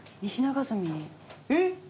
えっ！